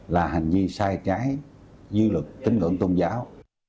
là hành vi sai trái dư luật tính ngưỡng tôn giáo